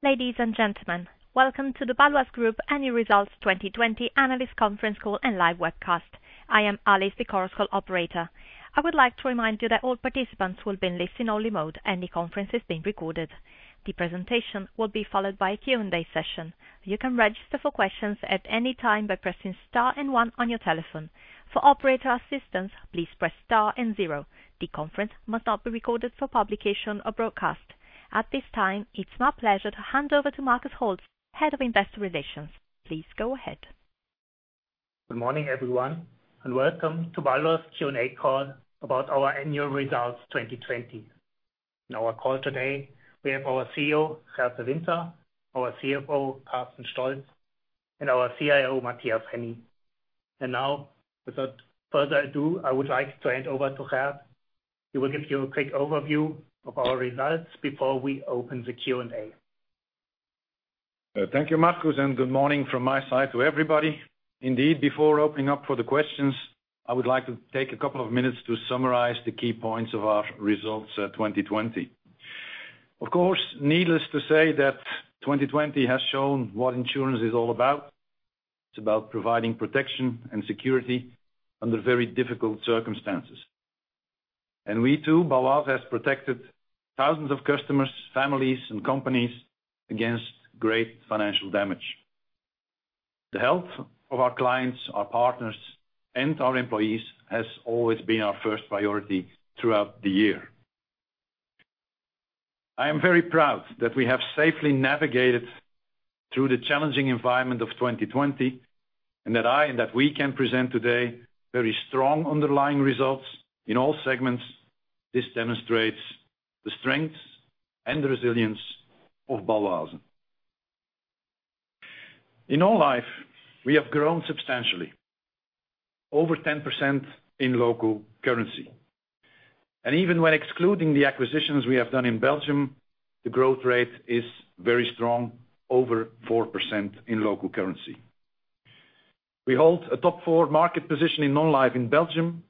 Ladies and gentlemen, welcome to the Bâloise Group Annual Results 2020 analyst conference call and live webcast. I am Alice, the conference call operator. I would like to remind you that all participants will be in listen-only mode and the conference is being recorded. The presentation will be followed by a Q&A session. You can register for questions at any time by pressing star and one on your telephone. For operator assistance, please press star and zero. The conference must not be recorded for publication or broadcast. At this time, it's my pleasure to hand over to Markus Holtz, Head of Investor Relations. Please go ahead. Good morning, everyone, and welcome to Bâloise Q&A call about our annual results 2020. In our call today, we have our CEO, Gert De Winter, our CFO, Carsten Stolz, and our CIO, Matthias Henny. Now, without further ado, I would like to hand over to Gert, who will give you a quick overview of our results before we open the Q&A. Thank you, Markus. Good morning from my side to everybody. Indeed, before opening up for the questions, I would like to take a couple of minutes to summarize the key points of our results 2020. Of course, needless to say that 2020 has shown what insurance is all about. It's about providing protection and security under very difficult circumstances. We too, Bâloise, has protected thousands of customers, families, and companies against great financial damage. The health of our clients, our partners, and our employees has always been our first priority throughout the year. I am very proud that we have safely navigated through the challenging environment of 2020, and that we can present today very strong underlying results in all segments. This demonstrates the strength and the resilience of Bâloise. In Non-life, we have grown substantially, over 10% in local currency. Even when excluding the acquisitions we have done in Belgium, the growth rate is very strong, over 4% in local currency. We hold a top four market position in Non-life in Belgium,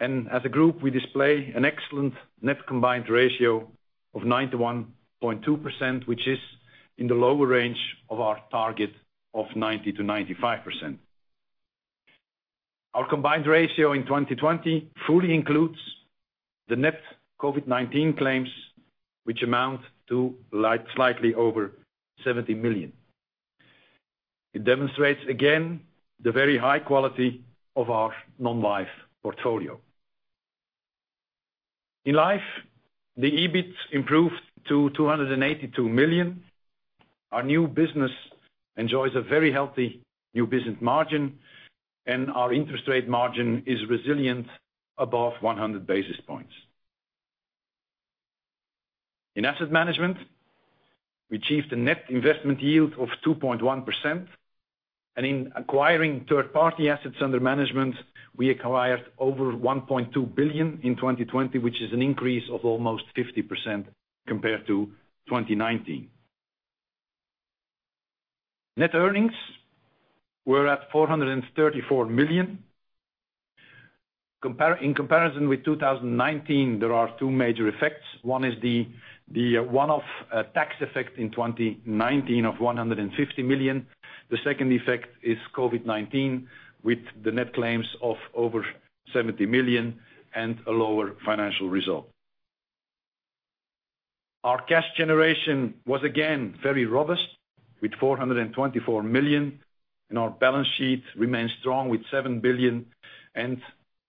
and as a group, we display an excellent net combined ratio of 91.2%, which is in the lower range of our target of 90%-95%. Our combined ratio in 2020 fully includes the net COVID-19 claims, which amount to slightly over 70 million. It demonstrates again, the very high quality of our Non-life portfolio. In Life, the EBIT improved to 282 million. Our new business enjoys a very healthy new business margin, and our interest rate margin is resilient above 100 basis points. In Asset Management, we achieved a net investment yield of 2.1%, and in acquiring third-party assets under management, we acquired over 1.2 billion in 2020, which is an increase of almost 50% compared to 2019. Net earnings were at 434 million. In comparison with 2019, there are two major effects. One is the one-off tax effect in 2019 of 150 million. The second effect is COVID-19, with the net claims of over 70 million and a lower financial result. Our cash generation was again very robust with 424 million, and our balance sheet remains strong with 7 billion and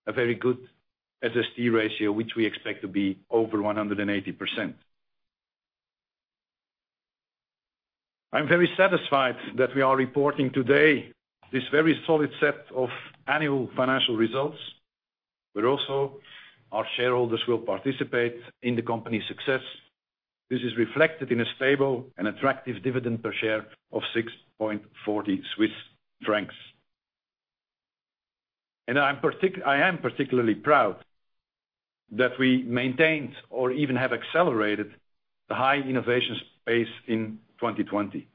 a very good SST ratio, which we expect to be over 180%. I am very satisfied that we are reporting today this very solid set of annual financial results, but also our shareholders will participate in the company's success. This is reflected in a stable and attractive dividend per share of 6.40 Swiss francs. I am particularly proud that we maintained or even have accelerated the high innovations pace in 2020.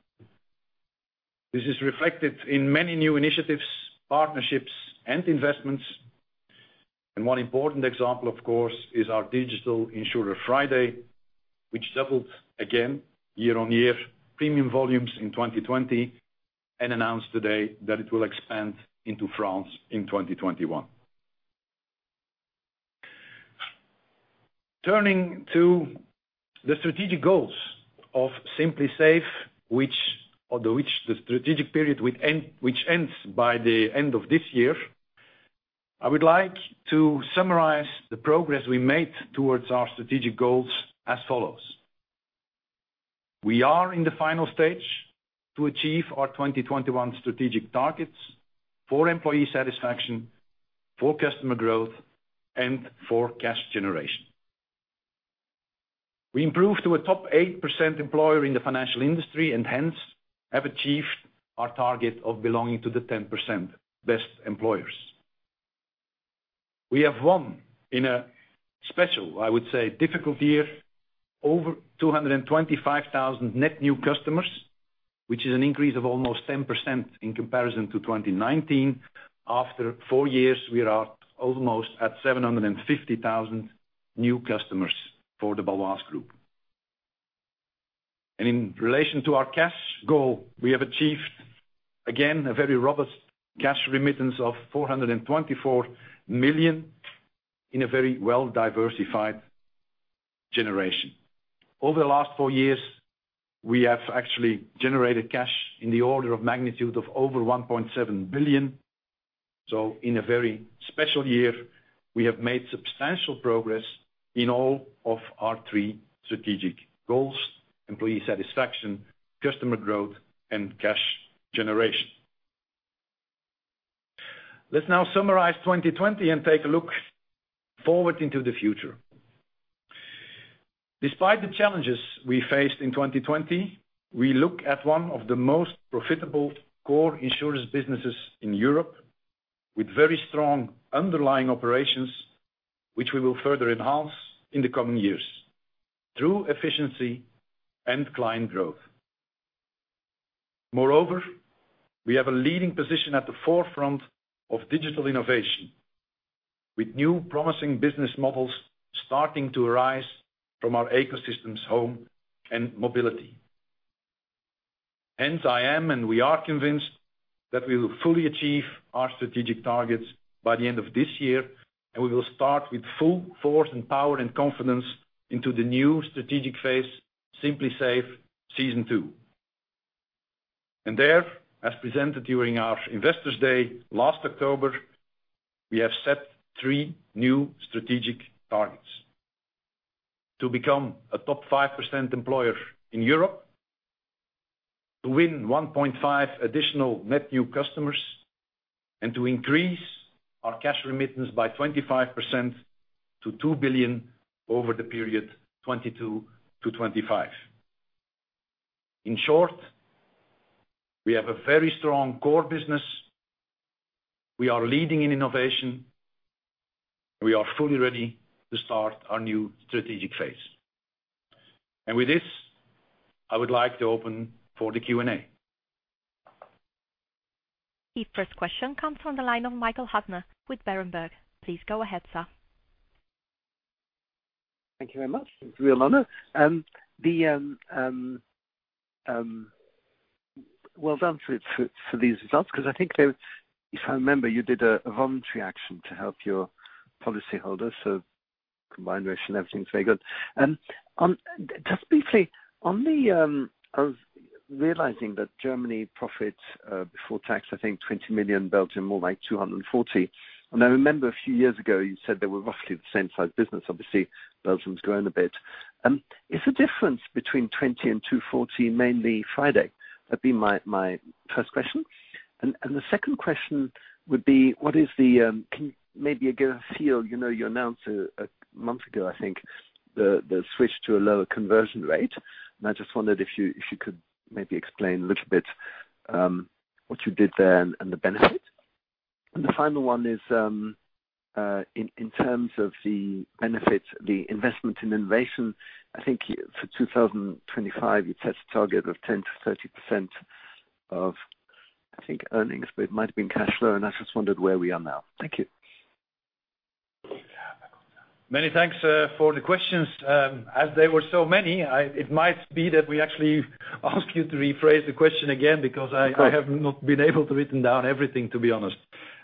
This is reflected in many new initiatives, partnerships, and investments. One important example, of course, is our digital insurer FRIDAY, which doubled again year-on-year premium volumes in 2020 and announced today that it will expand into France in 2021. Turning to the strategic goals of Simply Safe, the strategic period which ends by the end of this year, I would like to summarize the progress we made towards our strategic goals as follows. We are in the final stage to achieve our 2021 strategic targets for employee satisfaction, for customer growth, and for cash generation. We improved to a top 8% employer in the financial industry and hence have achieved our target of belonging to the 10% best employers. We have won in a special, I would say difficult year, over 225,000 net new customers, which is an increase of almost 10% in comparison to 2019. After four years, we are almost at 750,000 new customers for the Bâloise Group. In relation to our cash goal, we have achieved, again, a very robust cash remittance of 424 million in a very well-diversified generation. Over the last four years, we have actually generated cash in the order of magnitude of over 1.7 billion. In a very special year, we have made substantial progress in all of our three strategic goals, employee satisfaction, customer growth, and cash generation. Let's now summarize 2020 and take a look forward into the future. Despite the challenges we faced in 2020, we look at one of the most profitable core insurance businesses in Europe, with very strong underlying operations, which we will further enhance in the coming years through efficiency and client growth. We have a leading position at the forefront of digital innovation, with new promising business models starting to arise from our ecosystems, home and mobility. I am, and we are convinced that we will fully achieve our strategic targets by the end of this year, and we will start with full force and power and confidence into the new strategic phase, SimpliSafe Season 2. There, as presented during our Investor Day last October, we have set three new strategic targets. To become a top 5% employer in Europe, to win 1.5 additional net new customers, and to increase our cash remittance by 25% to 2 billion over the period 2022-2025. In short, we have a very strong core business, we are leading in innovation, and we are fully ready to start our new strategic phase. With this, I would like to open for the Q&A. The first question comes from the line of Michael Huttner with Berenberg. Please go ahead, sir. Thank you very much. It's a real honor. Well done for these results, because I think if I remember, you did a voluntary action to help your policyholders. Combined ratio and everything is very good. Just briefly, I was realizing that Germany profits before tax, I think 20 million, Belgium more like 240 million. I remember a few years ago, you said they were roughly the same size business. Obviously, Belgium's grown a bit. Is the difference between 20 million and 240 million mainly FRIDAY? That'd be my first question. The second question would be, can maybe you give a feel, you announced a month ago, I think, the switch to a lower conversion rate. I just wondered if you could maybe explain a little what you did there and the benefit. The final one is, in terms of the benefit, the investment in innovation, I think for 2025, you set a target of 10%-30% of, I think, earnings, but it might have been cash flow, and I just wondered where we are now. Thank you. Many thanks for the questions. There were so many, it might be that we actually ask you to rephrase the question again, because I have not been able to written down everything, to be honest.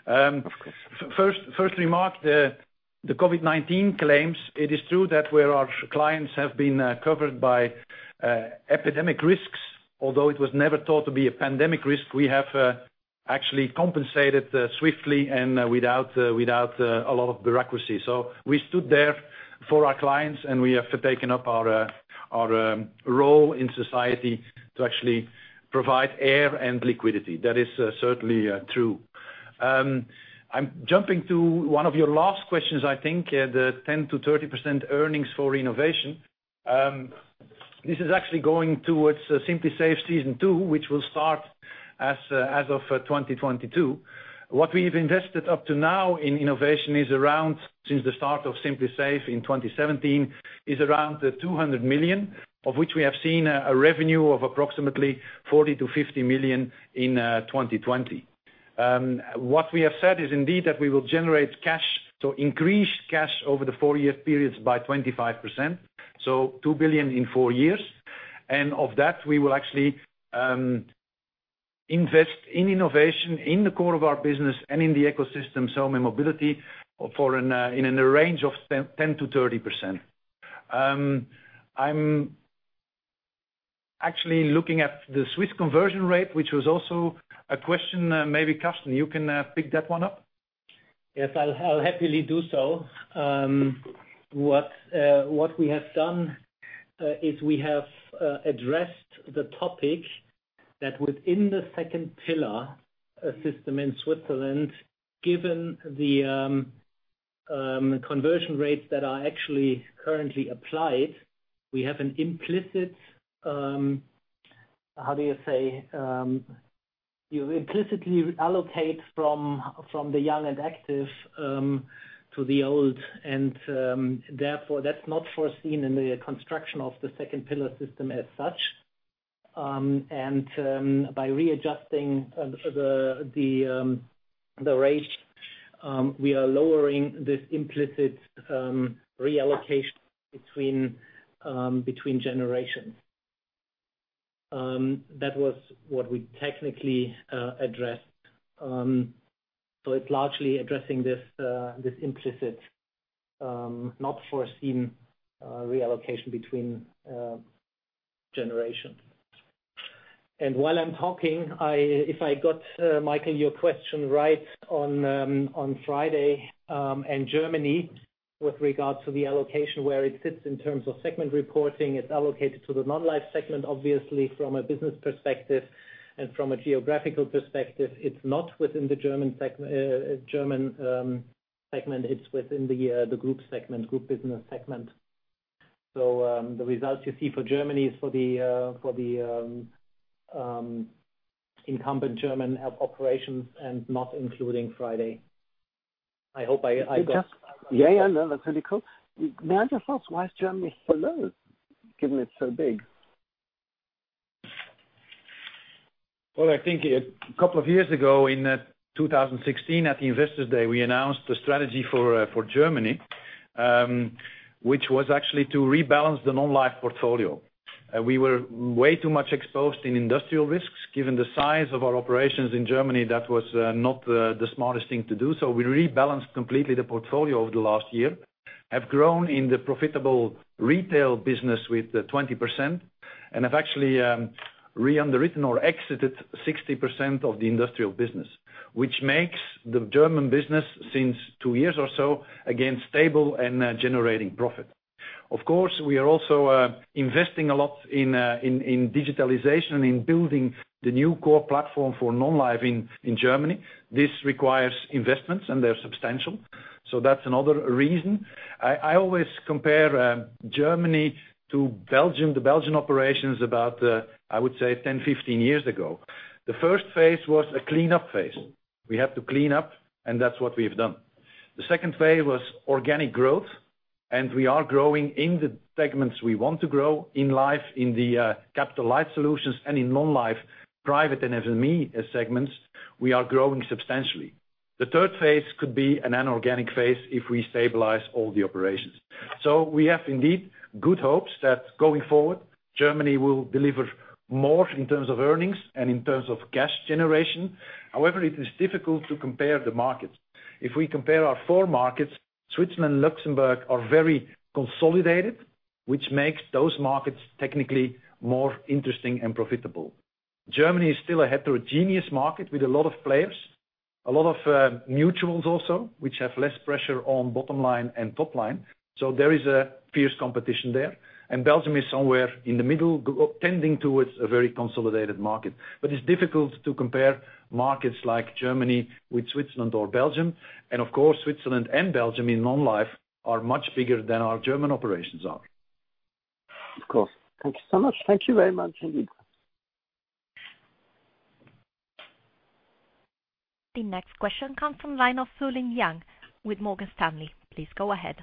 Of course. First remark, the COVID-19 claims. It is true that where our clients have been covered by epidemic risks, although it was never thought to be a pandemic risk, we have actually compensated swiftly and without a lot of bureaucracy. We stood there for our clients, and we have taken up our role in society to actually provide air and liquidity. That is certainly true. I'm jumping to one of your last questions, I think, the 10%-30% earnings for innovation. This is actually going towards SimpliSafe Season 2, which will start as of 2022. What we've invested up to now in innovation is around, since the start of SimpliSafe in 2017, is around 200 million, of which we have seen a revenue of approximately 40 million-50 million in 2020. What we have said is indeed that we will generate cash, so increased cash over the four-year periods by 25%, so 2 billion in four years. Of that, we will actually invest in innovation in the core of our business and in the ecosystem, so mobility, in a range of 10%-30%. I'm actually looking at the Swiss conversion rate, which was also a question. Maybe Carsten, you can pick that one up. Yes, I'll happily do so. What we have done is we have addressed the topic that within the second pillar system in Switzerland, given the conversion rates that are actually currently applied, we have an implicit, how do you say. You implicitly allocate from the young and active to the old, and therefore that's not foreseen in the construction of the second pillar system as such. By readjusting the rate, we are lowering this implicit reallocation between generation. That was what we technically addressed. It's largely addressing this implicit, not foreseen reallocation between generation. While I'm talking, if I got, Michael, your question right on FRIDAY and Germany with regards to the allocation, where it sits in terms of segment reporting, it's allocated to the non-life segment, obviously from a business perspective and from a geographical perspective, it's not within the German segment, it's within the group segment, group business segment. The results you see for Germany is for the incumbent German operations and not including FRIDAY. Yeah, that's really cool. May I just ask, why is Germany so low given it's so big? Well, I think a couple of years ago in 2016 at the Investor Day, we announced the strategy for Germany, which was actually to rebalance the non-life portfolio. We were way too much exposed in industrial risks. Given the size of our operations in Germany, that was not the smartest thing to do. We rebalanced completely the portfolio over the last year, have grown in the profitable retail business with 20%, and have actually re-underwritten or exited 60% of the industrial business, which makes the German business since two years or so, again stable and generating profit. Of course, we are also investing a lot in digitalization, in building the new core platform for non-life in Germany. This requires investments, and they're substantial. That's another reason. I always compare Germany to Belgium, the Belgian operations about, I would say 10, 15 years ago. The first phase was a cleanup phase. We have to clean up, and that's what we've done. The second phase was organic growth. We are growing in the segments we want to grow in life, in the capital life solutions and in non-life, private and SME segments, we are growing substantially. The third phase could be an inorganic phase if we stabilize all the operations. We have indeed good hopes that going forward, Germany will deliver more in terms of earnings and in terms of cash generation. However, it is difficult to compare the markets. If we compare our four markets, Switzerland and Luxembourg are very consolidated, which makes those markets technically more interesting and profitable. Germany is still a heterogeneous market with a lot of players, a lot of mutuals also, which have less pressure on bottom line and top line. There is a fierce competition there, and Belgium is somewhere in the middle, tending towards a very consolidated market. But it's difficult to compare markets like Germany with Switzerland or Belgium, and of course, Switzerland and Belgium in non-life are much bigger than our German operations are. Of course. Thank you so much. Thank you very much, indeed. The next question comes from line of Fulin Liang with Morgan Stanley. Please go ahead.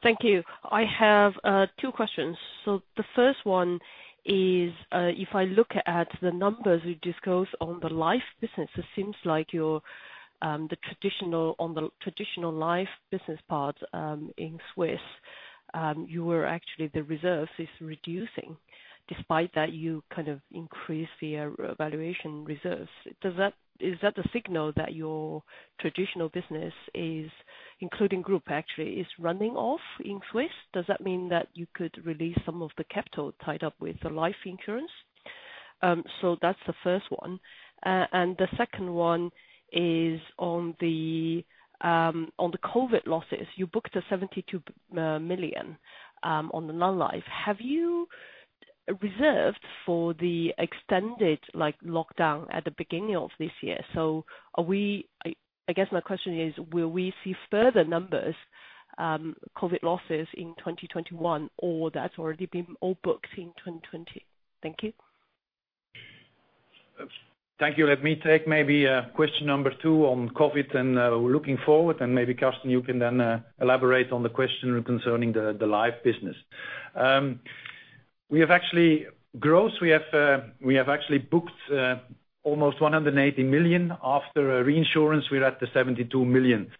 Thank you. I have two questions. The first one is, if I look at the numbers you disclosed on the life business, it seems like on the traditional life business part in Swiss, you were actually, the reserve is reducing despite that you kind of increase the valuation reserves. Is that a signal that your traditional business is, including group actually, is running off in Swiss? Does that mean that you could release some of the capital tied up with the life insurance? That's the first one. The second one is on the COVID losses. You booked a 72 million on the non-life. Have you reserved for the extended lockdown at the beginning of this year? I guess my question is, will we see further numbers, COVID losses in 2021, or that's already been all booked in 2020? Thank you. Thank you. Let me take maybe question number two on COVID and looking forward, and maybe Carsten, you can then elaborate on the question concerning the life business. We have actually booked almost 180 million. After reinsurance, we're at the 72 million.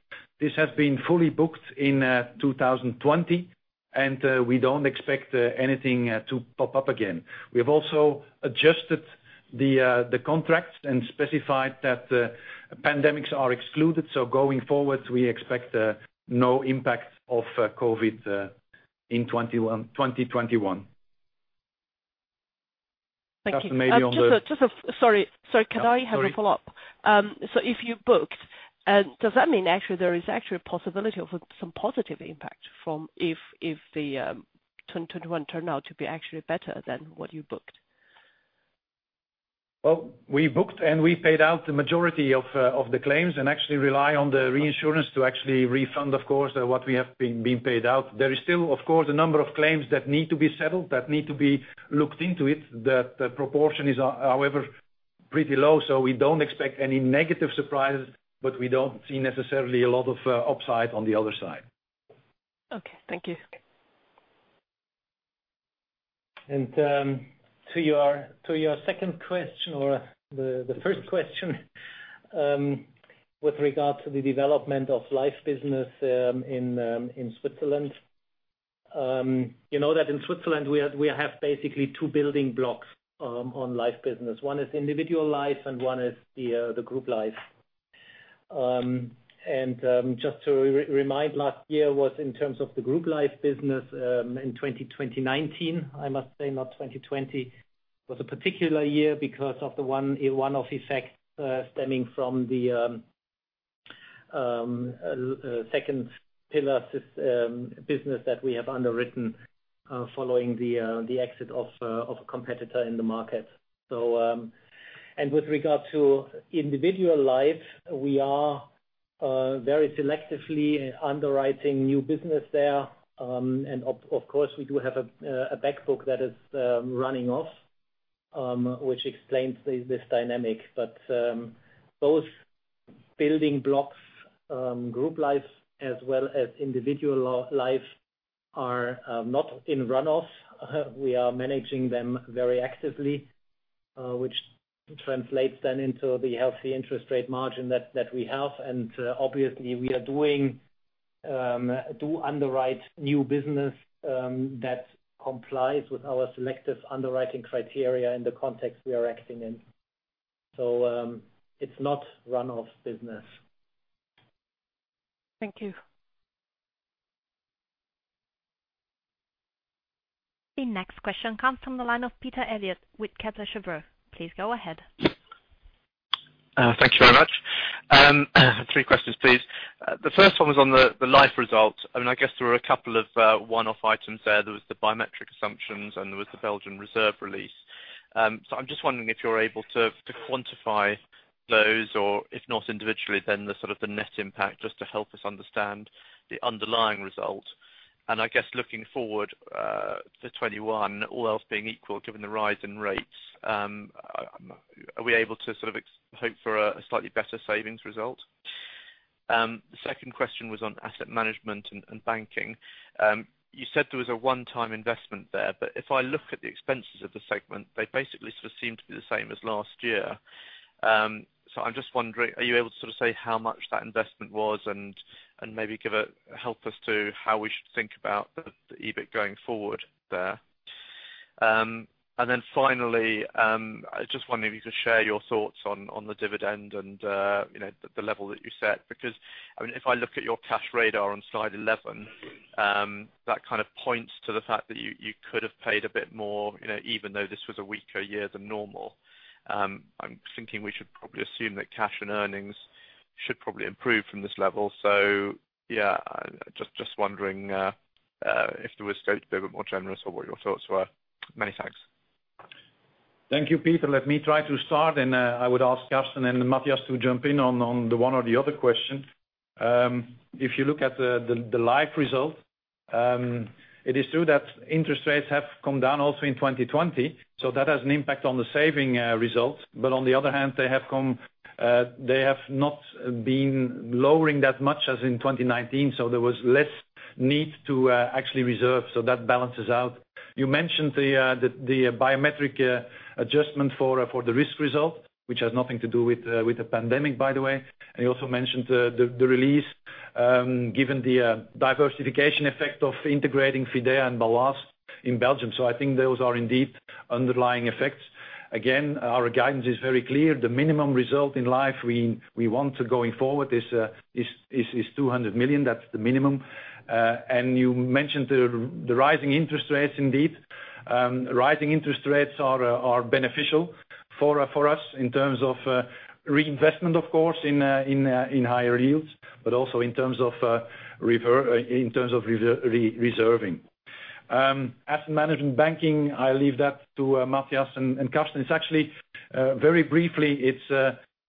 This has been fully booked in 2020, and we don't expect anything to pop up again. We have also adjusted the contracts and specified that pandemics are excluded. Going forward, we expect no impact of COVID in 2021. Thank you. Carsten, maybe on the- Sorry. Could I have a follow-up? Sorry. If you booked, does that mean actually there is actually a possibility of some positive impact if the 2021 turn out to be actually better than what you booked? Well, we booked and we paid out the majority of the claims, and actually rely on the reinsurance to actually refund, of course, what we have been paid out. There is still, of course, a number of claims that need to be settled, that need to be looked into it. The proportion is, however, pretty low, so we don't expect any negative surprises, but we don't see necessarily a lot of upside on the other side. Okay. Thank you. To your second question or the first question with regard to the development of life business in Switzerland. You know that in Switzerland we have basically two building blocks on life business. One is individual life and one is the group life. Just to remind, last year was in terms of the group life business in 2019, I must say, not 2020, was a particular year because of the one-off effect stemming from the second pillar business that we have underwritten following the exit of a competitor in the market. With regard to individual life, we are very selectively underwriting new business there. Of course, we do have a back book that is running off, which explains this dynamic. Both building blocks, group life as well as individual life, are not in run-off. We are managing them very actively, which translates then into the healthy interest rate margin that we have. Obviously, we do underwrite new business that complies with our selective underwriting criteria in the context we are acting in. It's not run-off business. Thank you. The next question comes from the line of Peter Eliot with Kepler Cheuvreux. Please go ahead. Thank you very much. Three questions, please. The first one was on the life result. I guess there were a couple of one-off items there. There was the biometric assumptions. There was the Belgian reserve release. I'm just wondering if you're able to quantify those or if not individually, then the sort of the net impact, just to help us understand the underlying result. I guess looking forward to 2021, all else being equal, given the rise in rates, are we able to sort of hope for a slightly better savings result? The second question was on asset management and banking. You said there was a one-time investment there. If I look at the expenses of the segment, they basically sort of seem to be the same as last year. I'm just wondering, are you able to sort of say how much that investment was and maybe help us to how we should think about the EBIT going forward there? Finally, I was just wondering if you could share your thoughts on the dividend and the level that you set. If I look at your cash radar on slide 11, that kind of points to the fact that you could have paid a bit more, even though this was a weaker year than normal. I'm thinking we should probably assume that cash and earnings should probably improve from this level. Just wondering if there was scope to be a bit more generous or what your thoughts were. Many thanks. Thank you, Peter. Let me try to start. I would ask Carsten and then Matthias to jump in on the one or the other question. If you look at the live result, it is true that interest rates have come down also in 2020, so that has an impact on the saving result. On the other hand, they have not been lowering that much as in 2019, so there was less need to actually reserve. That balances out. You mentioned the biometric adjustment for the risk result, which has nothing to do with the pandemic, by the way. You also mentioned the release, given the diversification effect of integrating Fidea and Bâloise in Belgium. I think those are indeed underlying effects. Again, our guidance is very clear. The minimum result in life we want going forward is 200 million. That's the minimum. You mentioned the rising interest rates, indeed. Rising interest rates are beneficial for us in terms of reinvestment, of course, in higher yields, but also in terms of reserving. Asset Management Banking, I leave that to Matthias and Carsten. Very briefly,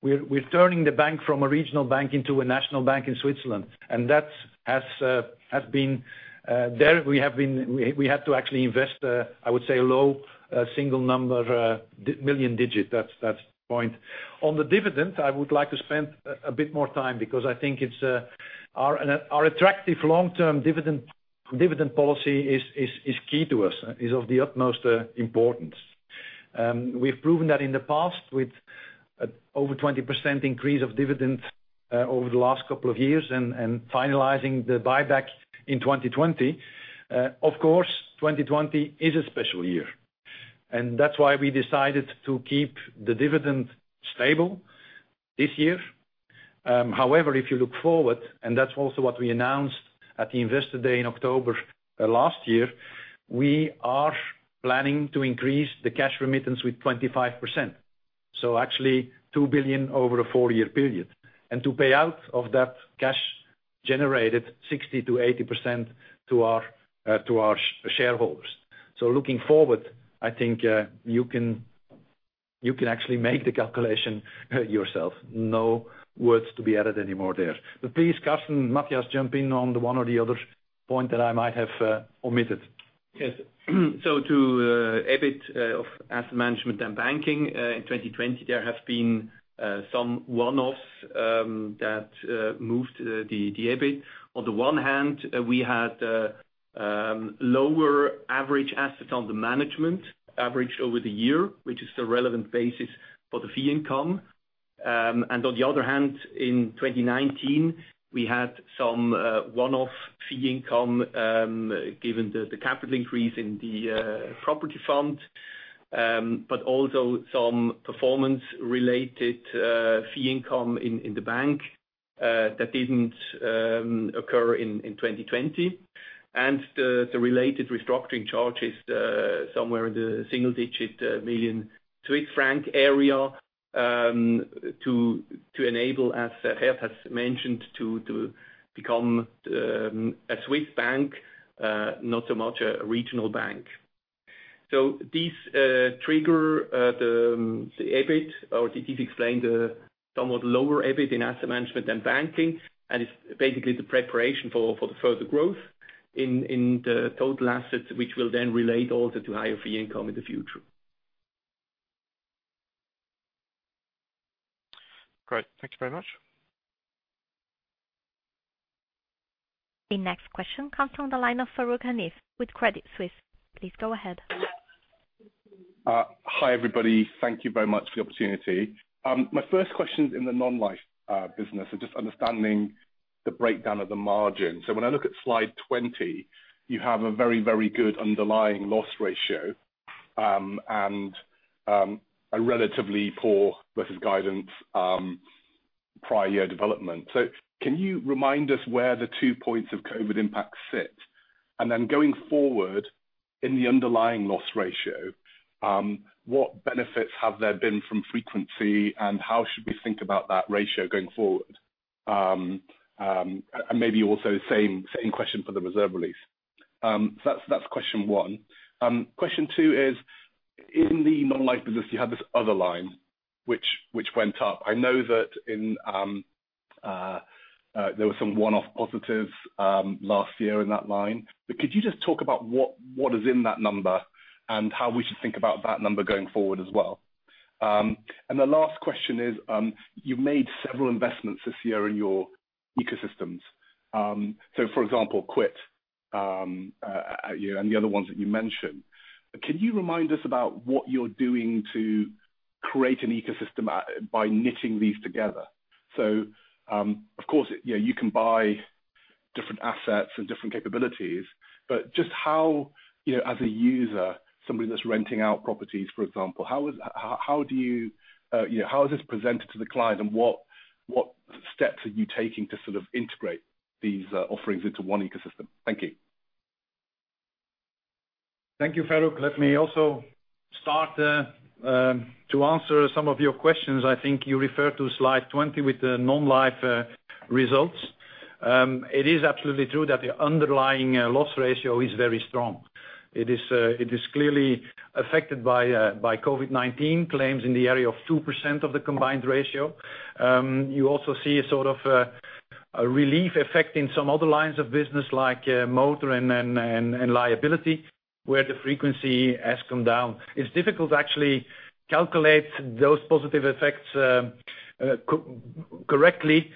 we're turning the bank from a regional bank into a national bank in Switzerland, and there we had to invest, I would say, a low single-digit million CHF. That's the point. On the dividend, I would like to spend a bit more time because I think our attractive long-term dividend policy is key to us, is of the utmost importance. We've proven that in the past with over 20% increase of dividends over the last couple of years and finalizing the buyback in 2020. 2020 is a special year, and that's why we decided to keep the dividend stable this year. If you look forward, that's also what we announced at the Investor Day in October last year, we are planning to increase the cash remittance with 25%. 2 billion over a four-year period. To pay out of that cash generated 60%-80% to our shareholders. Looking forward, I think you can actually make the calculation yourself. No words to be added anymore there. Please, Carsten, Matthias, jump in on the one or the other point that I might have omitted. Yes. To EBIT of asset management and banking in 2020, there have been some one-offs that moved the EBIT. On the one hand, we had lower average assets under management averaged over the year, which is the relevant basis for the fee income. On the other hand, in 2019, we had some one-off fee income, given the capital increase in the property fund, but also some performance-related fee income in the bank that didn't occur in 2020. The related restructuring charges somewhere in the single-digit million Swiss franc area to enable, as Gert has mentioned, to become a Swiss bank, not so much a regional bank. This trigger the EBIT, or this explain the somewhat lower EBIT in asset management and banking, and is basically the preparation for the further growth in the total assets, which will then relate also to higher fee income in the future. Great. Thank you very much. The next question comes from the line of Farooq Hanif with Credit Suisse. Please go ahead. Hi, everybody. Thank you very much for the opportunity. My first question is in the non-life business and just understanding the breakdown of the margin. When I look at slide 20, you have a very, very good underlying loss ratio and a relatively poor versus guidance prior year development. Can you remind us where the two points of COVID impact sit? Going forward, in the underlying loss ratio, what benefits have there been from frequency, and how should we think about that ratio going forward? Maybe also same question for the reserve release. That's question one. Question two is, in the non-life business, you had this other line, which went up. I know that there were some one-off positives last year in that line. Could you just talk about what is in that number and how we should think about that number going forward as well? The last question is, you made several investments this year in your ecosystems. For example, qiio and the other ones that you mentioned. Can you remind us about what you're doing to create an ecosystem by knitting these together? Of course, you can buy different assets and different capabilities, but just how, as a user, somebody that's renting out properties, for example, how is this presented to the client, and what steps are you taking to sort of integrate these offerings into one ecosystem? Thank you. Thank you, Farooq. Let me also start to answer some of your questions. I think you refer to slide 20 with the non-life results. It is absolutely true that the underlying loss ratio is very strong. It is clearly affected by COVID-19 claims in the area of 2% of the combined ratio. You also see a sort of a relief effect in some other lines of business like motor and liability, where the frequency has come down. It's difficult to actually calculate those positive effects correctly.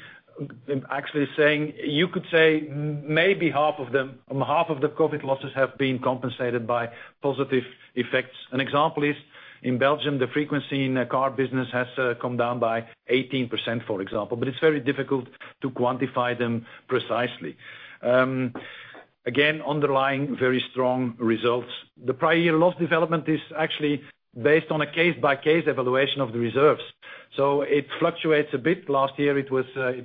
You could say maybe half of the COVID losses have been compensated by positive effects. An example is in Belgium, the frequency in the car business has come down by 18%, for example. It's very difficult to quantify them precisely. Again, underlying very strong results. The prior year loss development is actually based on a case-by-case evaluation of the reserves. It fluctuates a bit. Last year, there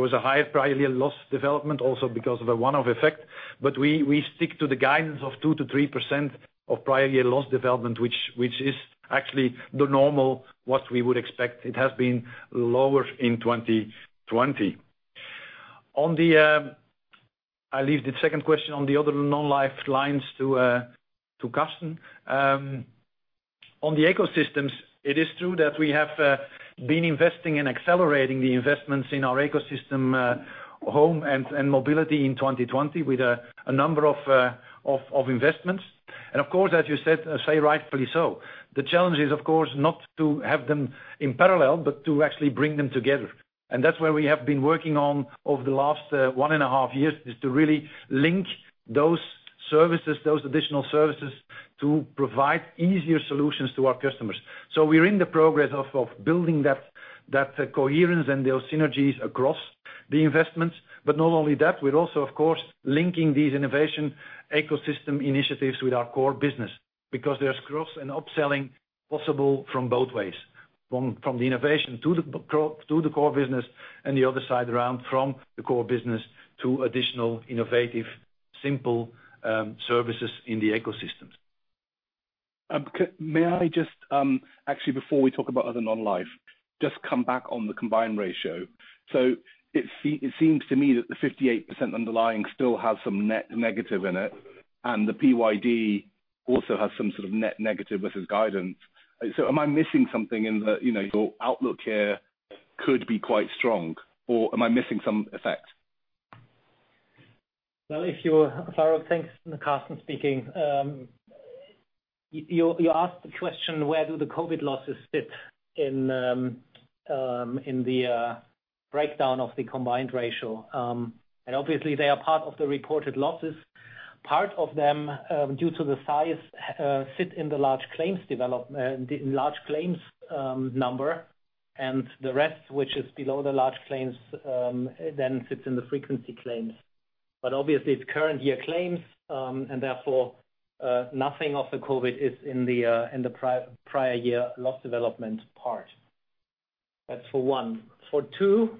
was a higher prior year loss development also because of a one-off effect. We stick to the guidance of 2%-3% of prior year loss development, which is actually the normal, what we would expect. It has been lower in 2020. I leave the second question on the other non-life lines to Carsten. On the ecosystems, it is true that we have been investing in accelerating the investments in our ecosystem home and mobility in 2020 with a number of investments. Of course, as you say, rightfully so. The challenge is, of course, not to have them in parallel, but to actually bring them together. That's where we have been working on over the last one and a half years is to really link those services, those additional services, to provide easier solutions to our customers. We're in the progress of building that coherence and those synergies across the investments. Not only that, we're also, of course, linking these innovation ecosystem initiatives with our core business because there's cross and upselling possible from both ways, from the innovation to the core business, and the other side around from the core business to additional innovative, simple services in the ecosystems. May I just, actually before we talk about other non-life, just come back on the combined ratio. It seems to me that the 58% underlying still has some net negative in it, and the PYD also has some sort of net negative versus guidance. Am I missing something in that your outlook here could be quite strong, or am I missing some effect? Well, Farooq, thanks. Carsten speaking. You asked the question, where do the COVID losses fit in the breakdown of the combined ratio? Obviously they are part of the reported losses. Part of them, due to the size, sit in the large claims number, and the rest, which is below the large claims, then sits in the frequency claims. Obviously it's current year claims, and therefore, nothing of the COVID is in the prior year loss development part. That's for one. For two,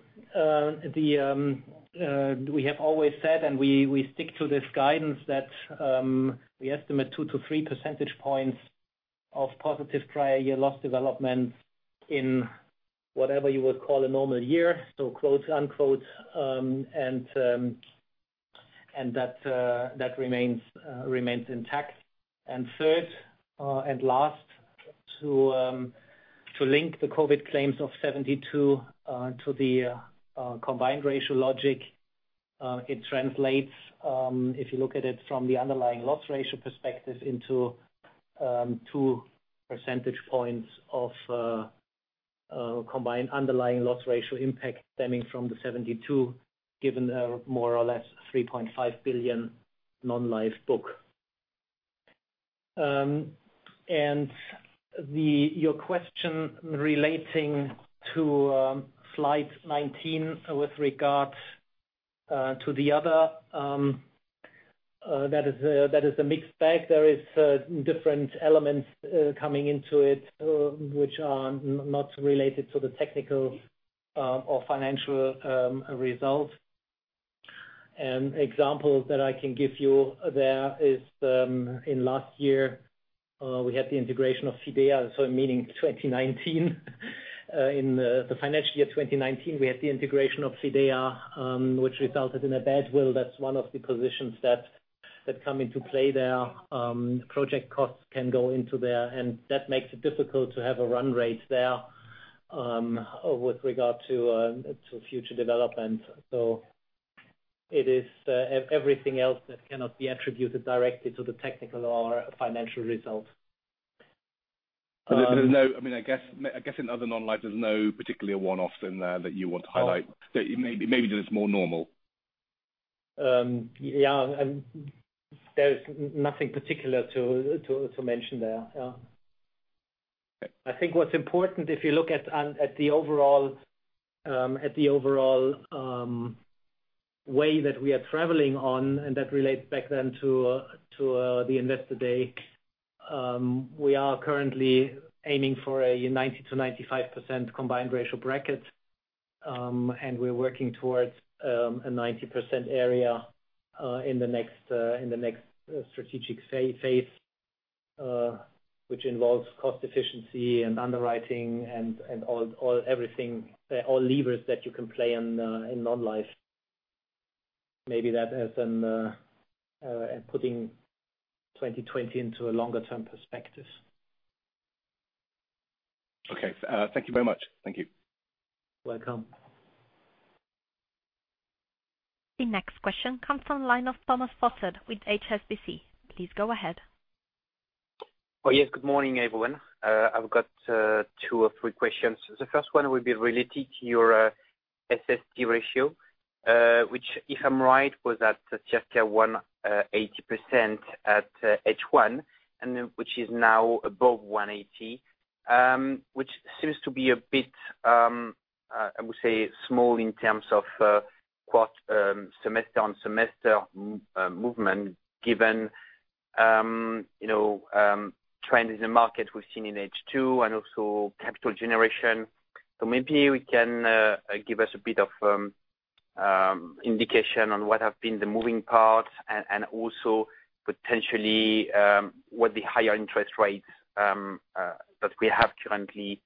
we have always said, and we stick to this guidance that, we estimate 2 to 3 percentage points of positive prior year loss development in whatever you would call a normal year. Quote-unquote. That remains intact. Third, and last, to link the COVID claims of 72 to the combined ratio logic. It translates, if you look at it from the underlying loss ratio perspective, into 2 percentage points of combined underlying loss ratio impact stemming from the 72, given a more or less 3.5 billion non-life book. Your question relating to slide 19 with regard to the other, that is a mixed bag. There is different elements coming into it, which are not related to the technical or financial result. An example that I can give you there is, in last year, we had the integration of Fidea. Meaning 2019. In the financial year 2019, we had the integration of Fidea, which resulted in a goodwill. That's one of the positions that come into play there. Project costs can go into there, and that makes it difficult to have a run rate there, with regard to future development. It is everything else that cannot be attributed directly to the technical or financial result. There's no, I guess, in other non-life, there's no particularly a one-off in there that you want to highlight? Maybe that it's more normal. Yeah. There's nothing particular to mention there. Yeah. Okay. I think what's important, if you look at the overall way that we are traveling on, that relates back then to the Investor Day. We are currently aiming for a 90%-95% combined ratio bracket. We're working towards a 90% area, in the next strategic phase, which involves cost efficiency and underwriting and all levers that you can play in non-life. Maybe that as in putting 2020 into a longer term perspective. Okay. Thank you very much. Thank you. Welcome. The next question comes from the line of Thomas Fossard with HSBC. Please go ahead. Yes. Good morning, everyone. I've got two or three questions. The first one will be related to your SST ratio, which, if I'm right, was at just 180% at H1, and which is now above 180, which seems to be a bit, I would say, small in terms of quarter, semester on semester movement given trends in the market we've seen in H2 and also capital generation. Maybe give us a bit of indication on what have been the moving parts and also potentially, what the higher interest rates that we have currently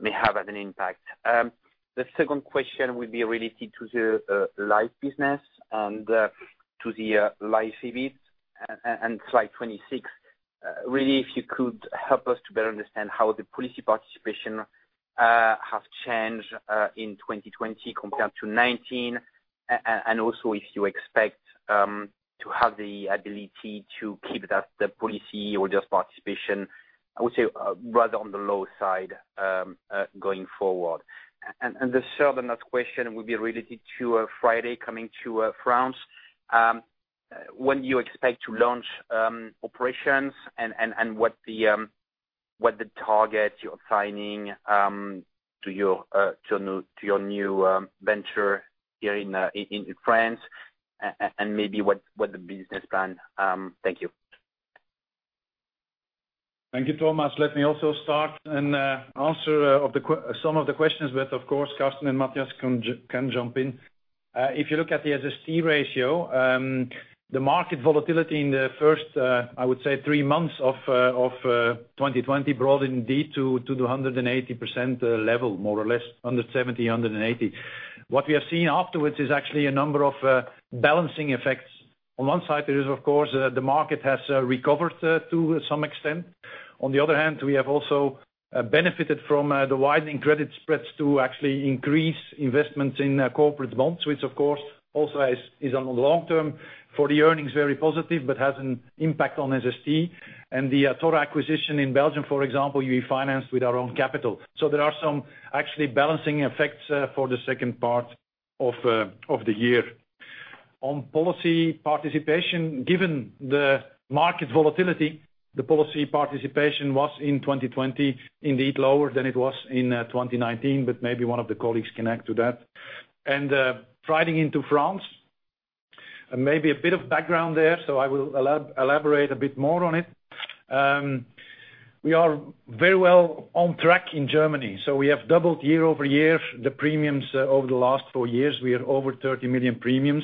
may have as an impact. The second question will be related to the life business and to the life EBIT and slide 26. Really, if you could help us to better understand how the policy participation have changed in 2020 compared to 2019, and also if you expect to have the ability to keep that policy or just participation, I would say, rather on the low side going forward. The third and last question will be related to FRIDAY, coming to France. When do you expect to launch operations and what the target you're assigning to your new venture here in France and maybe what the business plan? Thank you. Thank you, Thomas. Let me also start and answer some of the questions, but of course, Carsten and Matthias can jump in. If you look at the SST ratio, the market volatility in the first, I would say, three months of 2020 brought it indeed to the 180% level, more or less, 170, 180. What we have seen afterwards is actually a number of balancing effects. On one side, there is, of course, the market has recovered to some extent. On the other hand, we have also benefited from the widening credit spreads to actually increase investments in corporate bonds, which, of course, also is on the long term for the earnings, very positive, but has an impact on SST. The Athora acquisition in Belgium, for example, we financed with our own capital. There are some actually balancing effects for the second part of the year. On policy participation, given the market volatility, the policy participation was in 2020 indeed lower than it was in 2019, but maybe one of the colleagues can add to that. FRIDAY into France, maybe a bit of background there. I will elaborate a bit more on it. We are very well on track in Germany. We have doubled year-over-year the premiums over the last four years. We are over 30 million premiums.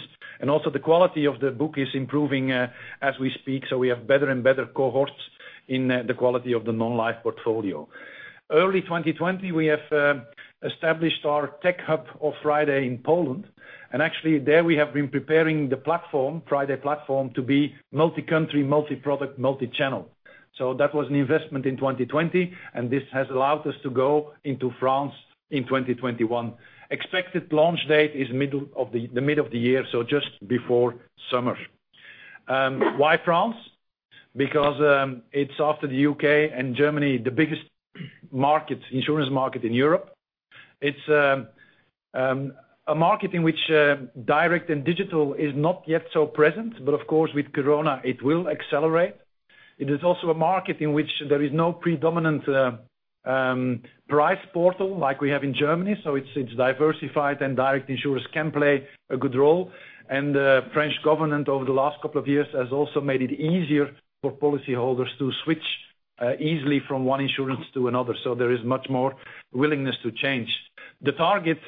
Also the quality of the book is improving as we speak. We have better and better cohorts in the quality of the non-life portfolio. Early 2020, we have established our tech hub of FRIDAY in Poland. Actually, there we have been preparing the platform, FRIDAY platform, to be multi-country, multi-product, multi-channel. That was an investment in 2020, and this has allowed us to go into France in 2021. Expected launch date is the mid of the year, so just before summer. Why France? It's after the U.K. and Germany, the biggest insurance market in Europe. It's a market in which direct and digital is not yet so present, but of course, with corona, it will accelerate. It is also a market in which there is no predominant price portal like we have in Germany, so it's diversified and direct insurers can play a good role. The French government over the last couple of years has also made it easier for policyholders to switch easily from one insurance to another. There is much more willingness to change. The target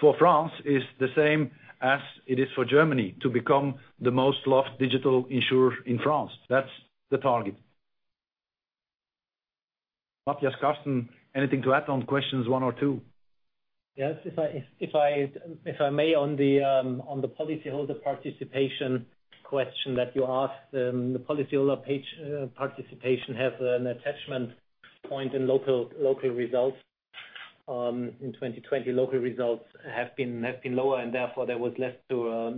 for France is the same as it is for Germany, to become the most loved digital insurer in France. That's the target. Matthias, Carsten, anything to add on questions one or two? Yes, if I may, on the policyholder participation question that you asked, the policyholder participation has an attachment point in local results. In 2020, local results have been lower, and therefore there was less to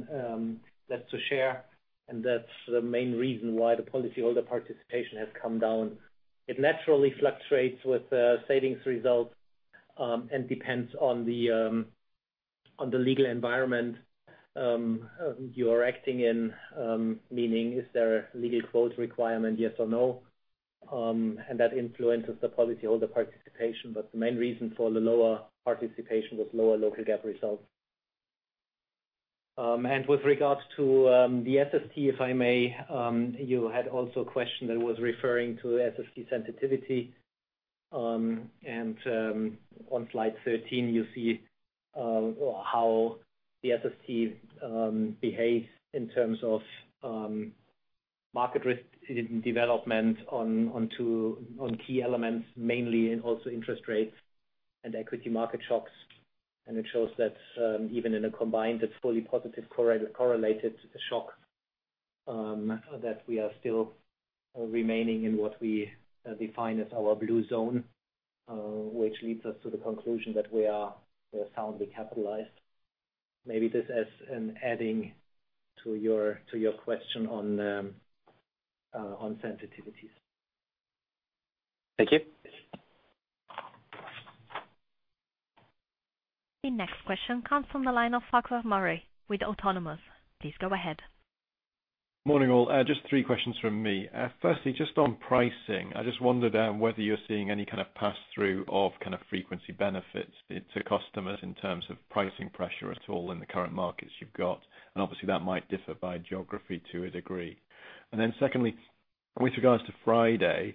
share, and that's the main reason why the policyholder participation has come down. It naturally fluctuates with savings results, and depends on the legal environment you are acting in, meaning is there a legal quote requirement, yes or no, and that influences the policyholder participation. The main reason for the lower participation was lower local GAAP results. With regards to the SST, if I may, you had also a question that was referring to SST sensitivity. On slide 13, you see how the SST behaves in terms of market risk development on key elements, mainly, and also interest rates and equity market shocks. It shows that even in a combined, it's fully positive correlated shock, that we are still remaining in what we define as our blue zone, which leads us to the conclusion that we are soundly capitalized. Maybe this as an adding to your question on sensitivities. Thank you. The next question comes from the line of Farquhar Murray with Autonomous. Please go ahead. Morning, all. Just three questions from me. Firstly, just on pricing, I just wondered whether you're seeing any kind of pass-through of kind of frequency benefits to customers in terms of pricing pressure at all in the current markets you've got. Obviously, that might differ by geography to a degree. Then secondly, with regards to FRIDAY,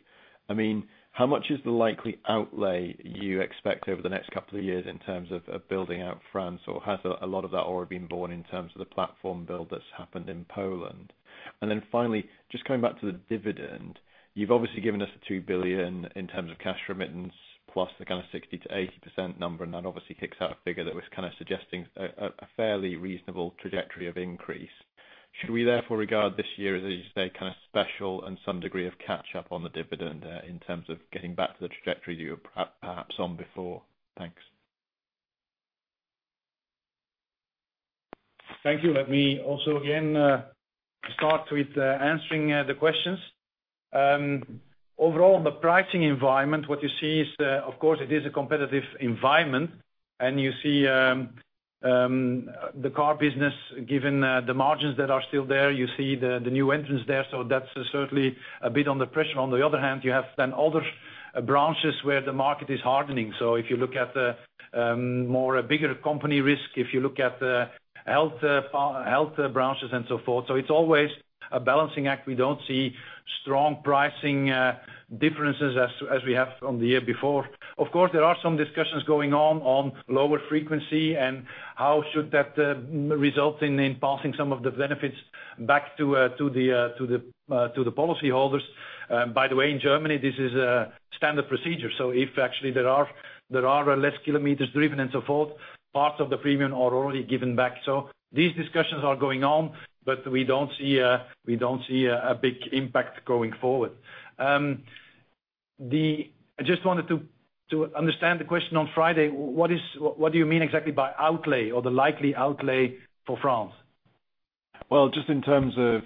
how much is the likely outlay you expect over the next couple of years in terms of building out France, or has a lot of that already been borne in terms of the platform build that's happened in Poland? Then finally, just coming back to the dividend, you've obviously given us the 2 billion in terms of cash remittance plus the kind of 60%-80% number, and that obviously kicks out a figure that was kind of suggesting a fairly reasonable trajectory of increase. Should we therefore regard this year as a kind of special and some degree of catch-up on the dividend in terms of getting back to the trajectory you were perhaps on before? Thanks. Thank you. Let me also again start with answering the questions. Overall, the pricing environment, what you see is, of course, it is a competitive environment. You see the car business, given the margins that are still there, you see the new entrants there. That's certainly a bit under pressure. On the other hand, you have then other branches where the market is hardening. If you look at the more bigger company risk, if you look at the health branches and so forth. It's always a balancing act. We don't see strong pricing differences as we have from the year before. Of course, there are some discussions going on lower frequency and how should that result in passing some of the benefits back to the policyholders. By the way, in Germany, this is a standard procedure. If actually there are less kilometers driven and so forth, parts of the premium are already given back. These discussions are going on, but we don't see a big impact going forward. I just wanted to understand the question on FRIDAY. What do you mean exactly by outlay or the likely outlay for France? Well, just in terms of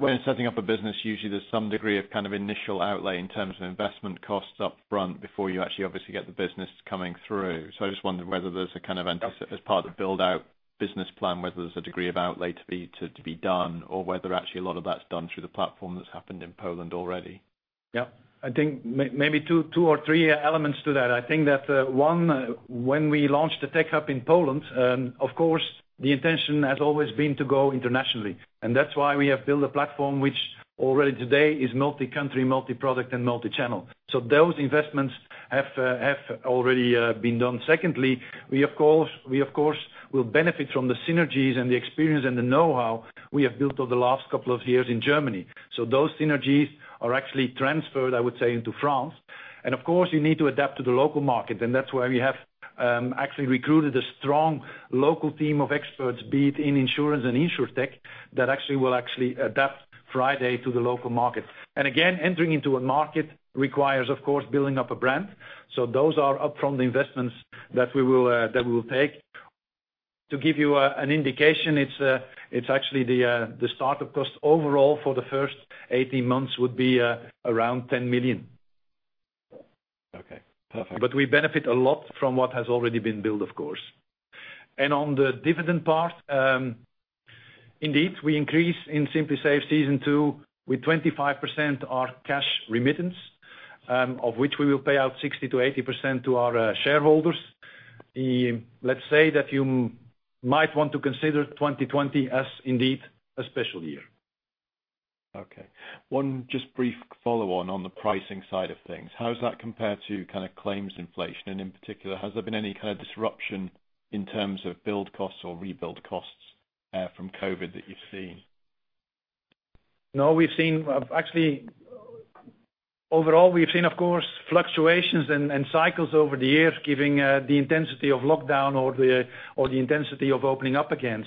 when setting up a business, usually there's some degree of initial outlay in terms of investment costs up front before you actually obviously get the business coming through. I just wondered whether there's a kind of- Yeah. As part of the build-out business plan, whether there's a degree of outlay to be done or whether actually a lot of that's done through the platform that's happened in Poland already. Yeah. I think maybe two or three elements to that. I think that, one, when we launched the Tech Hub in Poland, of course, the intention had always been to go internationally. That's why we have built a platform which already today is multi-country, multi-product, and multi-channel. Those investments have already been done. Secondly, we, of course, will benefit from the synergies and the experience and the know-how we have built over the last couple of years in Germany. Those synergies are actually transferred, I would say, into France. Of course, you need to adapt to the local market, and that's why we have actually recruited a strong local team of experts, be it in insurance and Insurtech, that will actually adapt FRIDAY to the local market. Again, entering into a market requires, of course, building up a brand. Those are up from the investments that we will take. To give you an indication, it's actually the startup cost overall for the first 18 months would be around 10 million. Okay. Perfect. We benefit a lot from what has already been built, of course. On the dividend part, indeed, we increased in SimpliSafe Season 2 with 25% our cash remittance, of which we will pay out 60%-80% to our shareholders. Let's say that you might want to consider 2020 as indeed a special year. Okay. One just brief follow on the pricing side of things. How does that compare to claims inflation? In particular, has there been any kind of disruption in terms of build costs or rebuild costs from COVID that you've seen? Overall, we've seen, of course, fluctuations and cycles over the years giving the intensity of lockdown or the intensity of opening up again.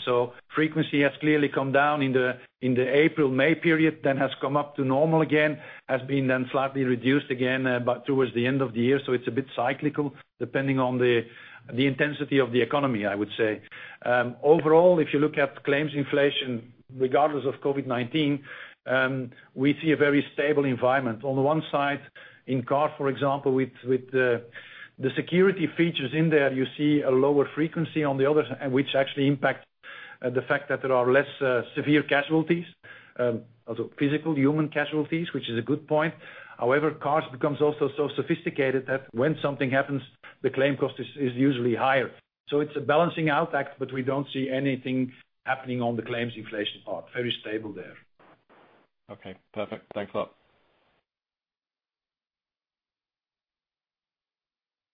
Frequency has clearly come down in the April, May period, then has come up to normal again, has been then slightly reduced again, but towards the end of the year. It's a bit cyclical, depending on the intensity of the economy, I would say. Overall, if you look at claims inflation, regardless of COVID-19, we see a very stable environment. On the one side, in car, for example, with the security features in there, you see a lower frequency, which actually impacts the fact that there are less severe casualties, also physical, human casualties, which is a good point. However, cars becomes also so sophisticated that when something happens, the claim cost is usually higher. It's a balancing out act, but we don't see anything happening on the claims inflation part. Very stable there. Okay, perfect. Thanks a lot.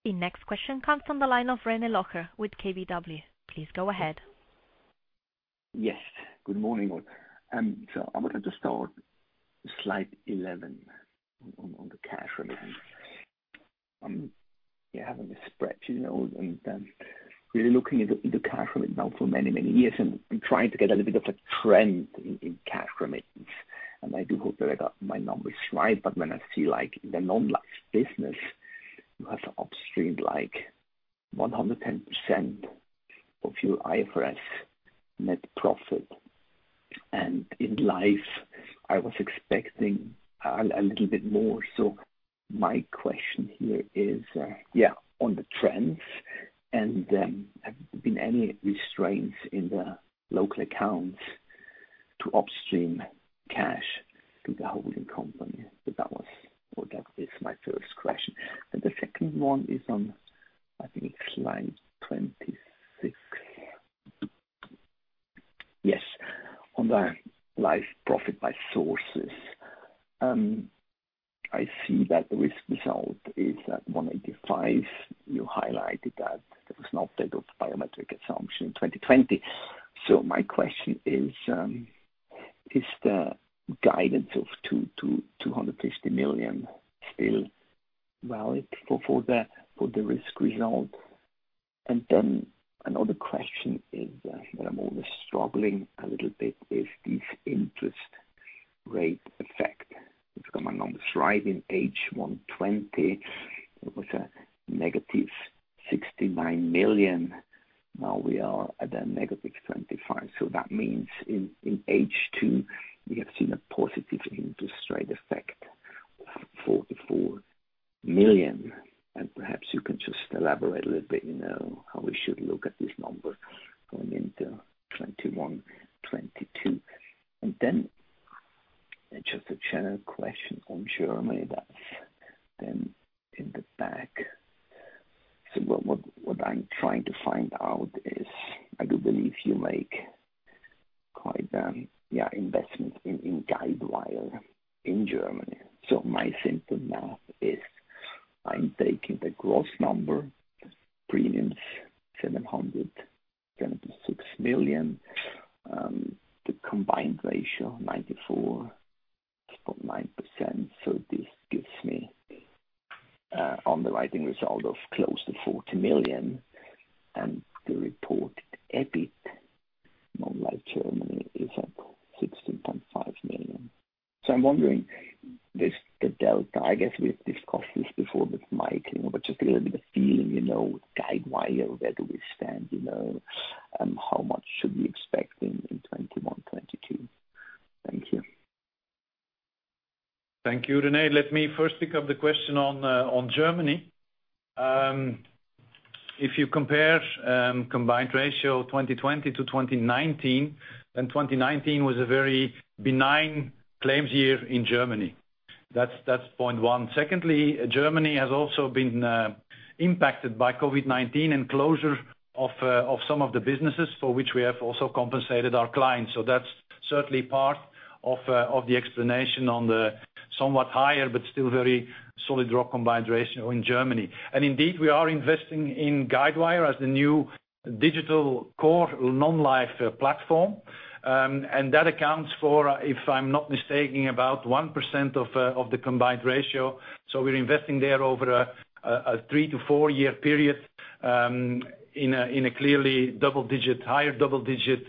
The next question comes from the line of René Locher with KBW. Please go ahead. Good morning all. I wanted to start slide 11 on the cash remittance. I'm having a spreadsheet now really looking into cash remittance now for many years and trying to get a little bit of a trend in cash remittance. I do hope that I got my numbers right, when I see like the non-life business, you have upstream like 110% of your IFRS net profit. In Life, I was expecting a little bit more. My question here is on the trends and have there been any restraints in the local accounts to upstream cash to the holding company? That was or that is my first question. The second one is on, I think it's slide 26. On the Life profit by sources. I see that the risk result is at 185. You highlighted that there was an update of biometric assumption 2020. My question is the guidance of 250 million still valid for the risk result? Another question is that I'm always struggling a little bit, is this interest rate effect. If I got my numbers right in H1 2020, it was a -69 million, now we are at a -25. That means in H2, we have seen a positive interest rate effect of 44 million, and perhaps you can just elaborate a little bit how we should look at this number going into 2021, 2022. Just a general question on Germany, what I'm trying to find out is, I do believe you make quite an investment in Guidewire in Germany. My simple math is I'm taking the gross number premiums 726 million, the combined ratio 94.9%. This gives me underwriting result of close to 40 million. The reported EBIT non-life Germany is at 16.5 million. I'm wondering this, the delta. I guess we've discussed this before with Mike, but just to get a bit of feeling, with Guidewire, where do we stand? How much should we expect in 2021, 2022? Thank you. Thank you, René. Let me first pick up the question on Germany. If you compare combined ratio 2020-2019, then 2019 was a very benign claims year in Germany. That's point one. Secondly, Germany has also been impacted by COVID-19 and closure of some of the businesses for which we have also compensated our clients. That's certainly part of the explanation on the somewhat higher, but still very solid rock combined ratio in Germany. Indeed, we are investing in Guidewire as the new digital core non-life platform. That accounts for, if I'm not mistaken, about 1% of the combined ratio. We're investing there over a three to four-year period, in a clearly higher double-digit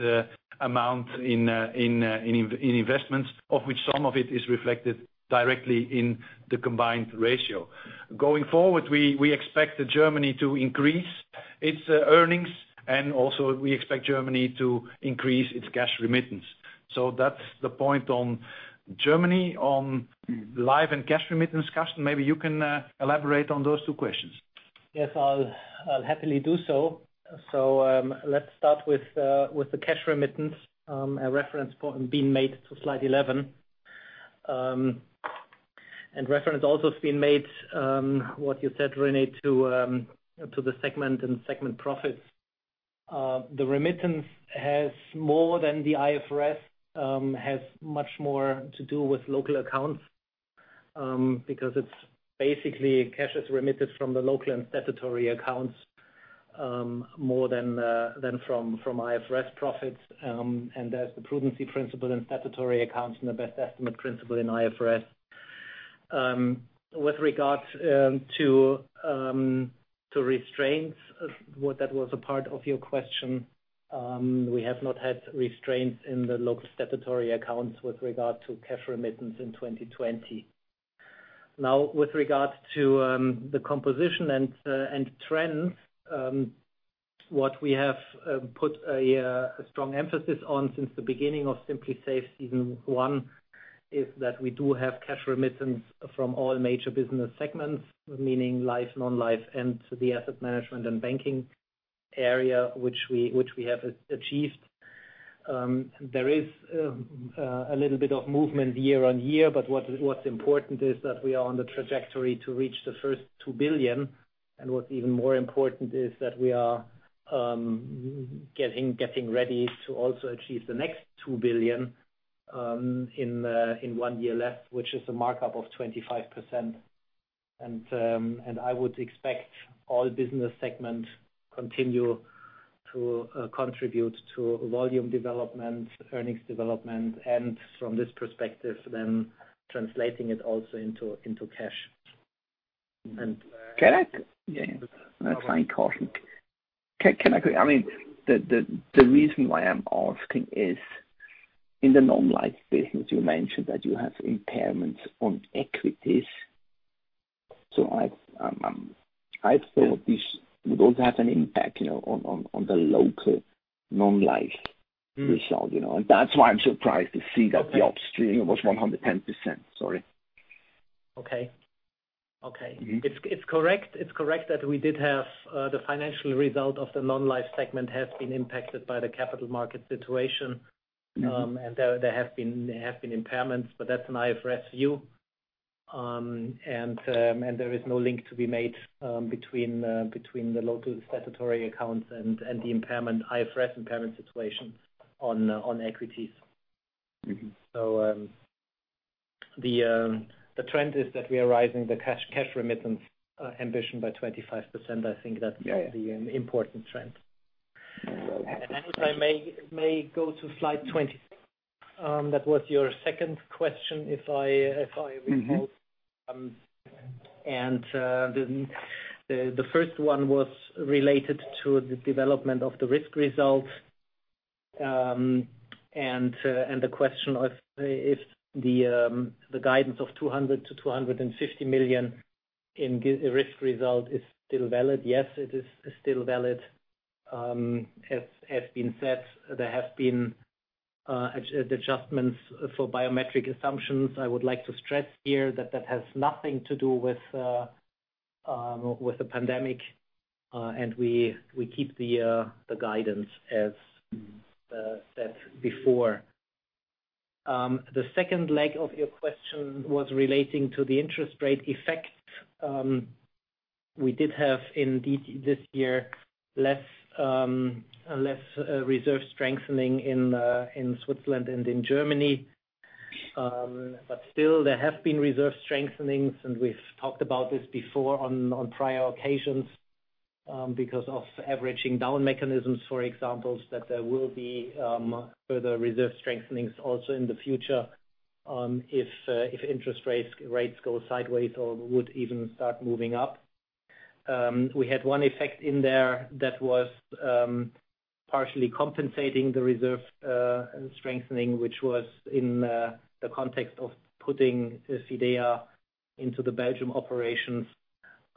amount in investments, of which some of it is reflected directly in the combined ratio. Going forward, we expect Germany to increase its earnings, and also we expect Germany to increase its cash remittance. That's the point on Germany. On life and cash remittance, Carsten, maybe you can elaborate on those two questions. Yes, I'll happily do so. Let's start with the cash remittance. A reference point being made to slide 11. Reference also has been made, what you said, René, to the segment and segment profits. The remittance has more than the IFRS, has much more to do with local accounts, because it's basically cash is remitted from the local and statutory accounts, more than from IFRS profits, and there's the prudency principle in statutory accounts and the best estimate principle in IFRS. With regards to restraints, that was a part of your question. We have not had restraints in the local statutory accounts with regard to cash remittance in 2020. Now, with regards to the composition and trends, what we have put a strong emphasis on since the beginning of SimpliSafe Season 1 is that we do have cash remittance from all major business segments, meaning life, non-life, and to the asset management and banking area, which we have achieved. There is a little bit of movement year-on-year, but what's important is that we are on the trajectory to reach the first 2 billion. What's even more important is that we are getting ready to also achieve the next 2 billion in one year left, which is a markup of 25%. I would expect all business segments continue to contribute to volume development, earnings development, and from this perspective, then translating it also into cash. Can I? Yeah. That's my caution. Can I go? The reason why I'm asking is in the non-life business, you mentioned that you have impairments on equities. I'd thought this would also have an impact on the local non-life result. That's why I'm surprised to see that the upstream was 110%. Sorry. Okay. It's correct that we did have the financial result of the non-life segment has been impacted by the capital market situation. There have been impairments, but that's an IFRS view. There is no link to be made between the local statutory accounts and the impairment, IFRS impairment situation on equities. The trend is that we are raising the cash remittance ambition by 25%. I think that's the important trend. If I may go to slide 20. That was your second question, if I recall. The first one was related to the development of the risk result. The question of if the guidance of 200 million-250 million in risk result is still valid. Yes, it is still valid. As has been said, there have been adjustments for biometric assumptions. I would like to stress here that that has nothing to do with the pandemic. We keep the guidance as set before. The second leg of your question was relating to the interest rate effect. We did have, indeed, this year, less reserve strengthening in Switzerland and in Germany. Still, there have been reserve strengthenings, and we've talked about this before on prior occasions, because of averaging down mechanisms, for example, that there will be further reserve strengthenings also in the future, if interest rates go sideways or would even start moving up. We had one effect in there that was partially compensating the reserve strengthening, which was in the context of putting Fidea into the Belgium operations,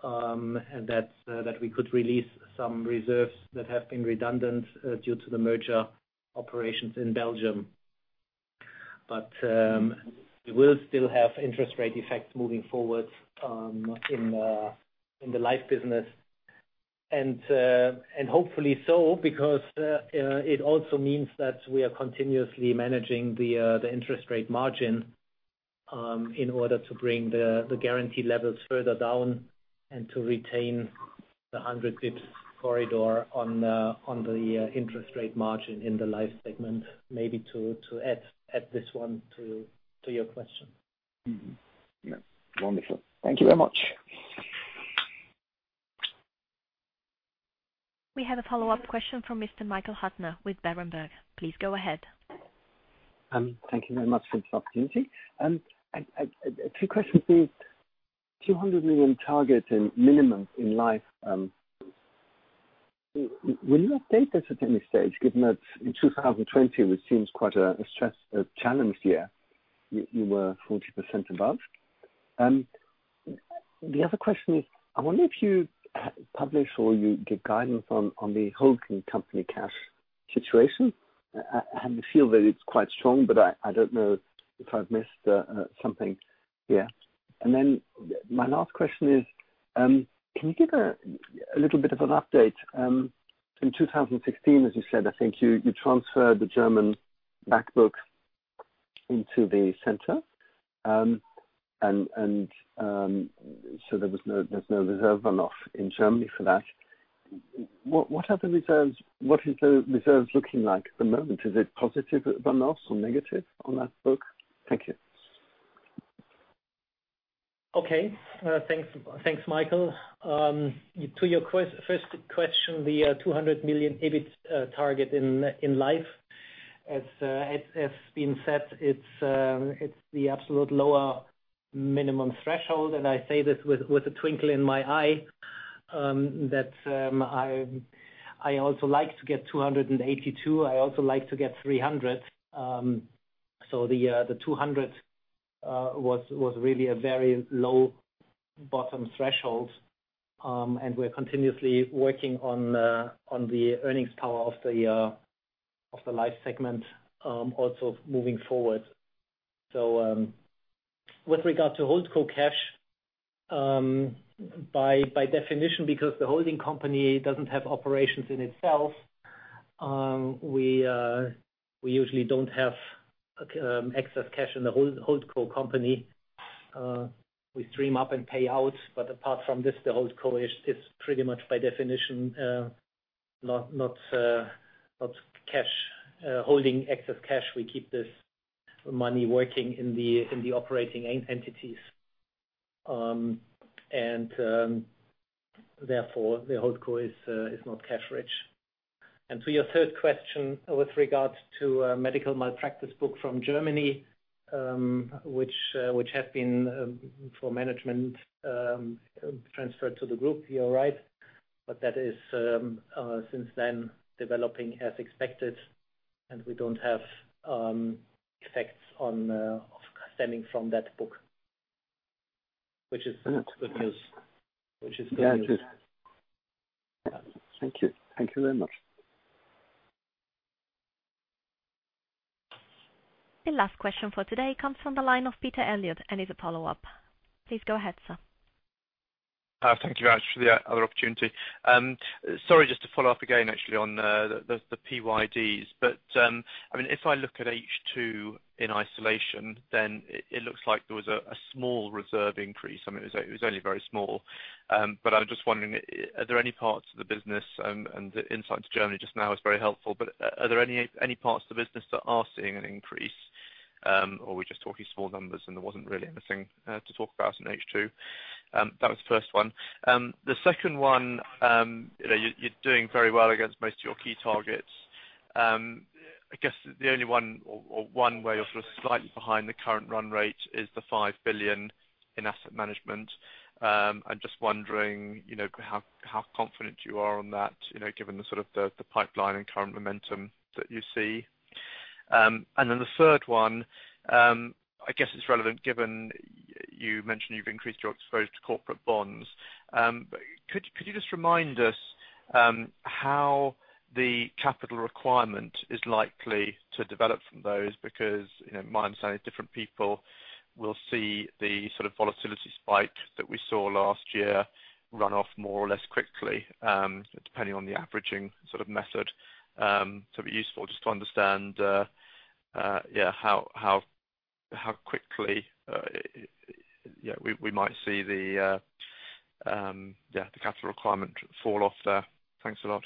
and that we could release some reserves that have been redundant due to the merger operations in Belgium. We will still have interest rate effects moving forward in the life business, and hopefully so, because it also means that we are continuously managing the interest rate margin in order to bring the guarantee levels further down and to retain the 100 basis points corridor on the interest rate margin in the life segment, maybe to add this one to your question. Yeah. Wonderful. Thank you very much. We have a follow-up question from Mr. Michael Huttner with Berenberg. Please go ahead. Thank you very much for this opportunity. Two questions. The 200 million target in minimum in life. Will you update this at any stage, given that in 2020, which seems quite a challenged year, you were 40% above? The other question is, I wonder if you publish or you give guidance on the holding company cash situation. I have the feel that it's quite strong, but I don't know if I've missed something here. My last question is, can you give a little bit of an update? In 2016, as you said, I think you transferred the German back book into the center. There was no reserve runoff in Germany for that. What are the reserves? What is the reserves looking like at the moment? Is it positive runoff or negative on that book? Thank you. Okay. Thanks, Michael. To your first question, the 200 million EBIT target in life. As has been said, it's the absolute lower minimum threshold, and I say this with a twinkle in my eye, that I also like to get 282. I also like to get 300. The 200 was really a very low bottom threshold. We're continuously working on the earnings power of the life segment, also moving forward. With regard to HoldCo cash, by definition, because the holding company doesn't have operations in itself, we usually don't have excess cash in the HoldCo company. We stream up and pay out, but apart from this, the HoldCo is pretty much by definition, not holding excess cash. We keep this money working in the operating entities. Therefore, the HoldCo is not cash rich. To your third question, with regards to medical malpractice book from Germany, which had been for management, transferred to the group, you're right. That is, since then, developing as expected, and we don't have effects of stemming from that book, which is good news. Yeah, it is. Thank you. Thank you very much. The last question for today comes from the line of Peter Eliot and is a follow-up. Please go ahead, sir. Thank you very much for the other opportunity. Sorry, just to follow up again, actually, on the PYD, if I look at H2 in isolation, it looks like there was a small reserve increase. I mean, it was only very small. I'm just wondering, are there any parts of the business, and the insight to Germany just now is very helpful, are there any parts of the business that are seeing an increase? Are we just talking small numbers and there wasn't really anything to talk about in H2? That was the first one. The second one. You're doing very well against most of your key targets. I guess the only one way you're sort of slightly behind the current run rate is the 5 billion in asset management. I'm just wondering, how confident you are on that, given the sort of the pipeline and current momentum that you see. Then the third one, I guess it's relevant given you mentioned you've increased your exposure to corporate bonds. Could you just remind us how the capital requirement is likely to develop from those? My understanding is different people will see the sort of volatility spike that we saw last year run off more or less quickly, depending on the averaging sort of method. It'd be useful just to understand, How quickly we might see the capital requirement fall off there. Thanks a lot.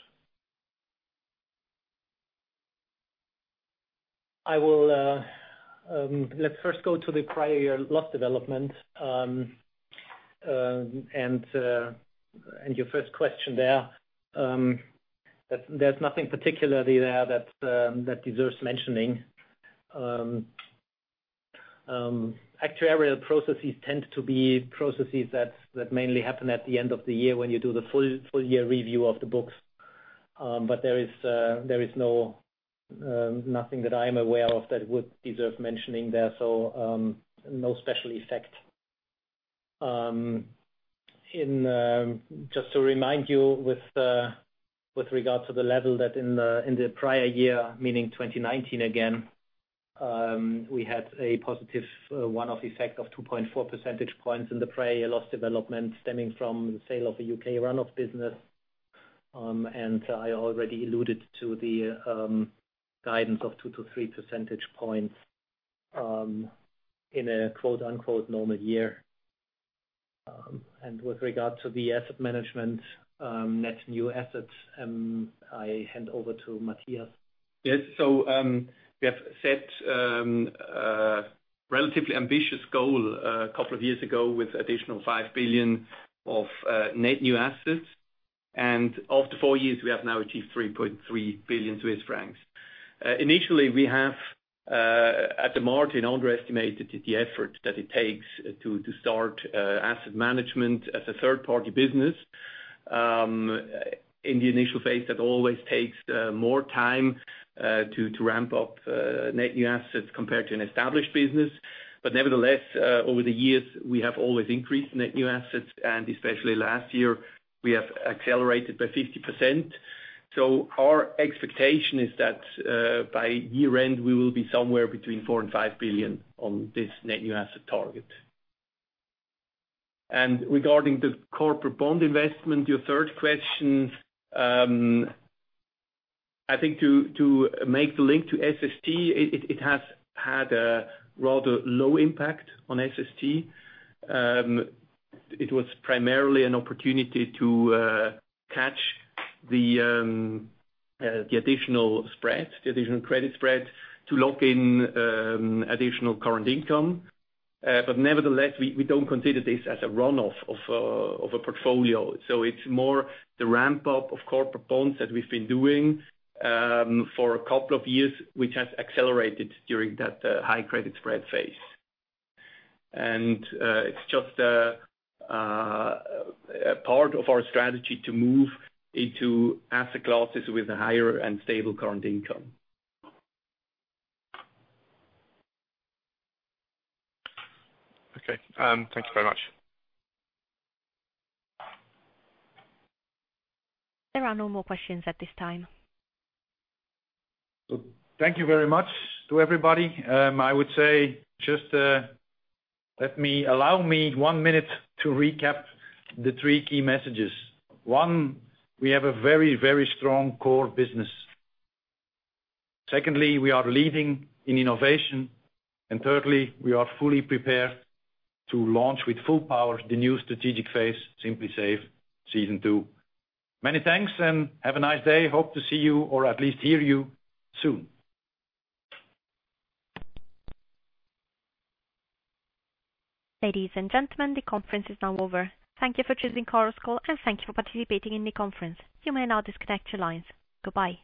Let's first go to the prior year loss development, and your first question there. There's nothing particularly there that deserves mentioning. Actuarial processes tend to be processes that mainly happen at the end of the year when you do the full year review of the books. There is nothing that I'm aware of that would deserve mentioning there, so no special effect. Just to remind you with regards to the level that in the prior year, meaning 2019 again, we had a positive one-off effect of 2.4 percentage points in the prior year loss development stemming from the sale of a U.K. run-off business. I already alluded to the guidance of 2 to 3 percentage points in a quote-unquote, normal year. With regard to the asset management net new assets, I hand over to Matthias. Yes. We have set relatively ambitious goal a couple of years ago with additional 5 billion of net new assets. After four years, we have now achieved 3.3 billion Swiss francs. Initially, we have, at the margin, underestimated the effort that it takes to start asset management as a third-party business. In the initial phase, that always takes more time to ramp up net new assets compared to an established business. Nevertheless, over the years, we have always increased net new assets, and especially last year, we have accelerated by 50%. Our expectation is that by year-end, we will be somewhere between 4 billion and 5 billion on this net new asset target. Regarding the corporate bond investment, your third question, I think to make the link to SST, it has had a rather low impact on SST. It was primarily an opportunity to catch the additional credit spread to lock in additional current income. Nevertheless, we don't consider this as a run-off of a portfolio. It's more the ramp-up of corporate bonds that we've been doing for a couple of years, which has accelerated during that high credit spread phase. It's just a part of our strategy to move into asset classes with a higher and stable current income. Okay. Thank you very much. There are no more questions at this time. Thank you very much to everybody. I would say, just allow me one minute to recap the three key messages. One, we have a very strong core business. Secondly, we are leading in innovation. Thirdly, we are fully prepared to launch with full power the new strategic phase, SimpliSafe Season 2. Many thanks and have a nice day. Hope to see you or at least hear you soon. Ladies and gentlemen, the conference is now over. Thank you for choosing Chorus Call, and thank you for participating in the conference. You may now disconnect your lines. Goodbye.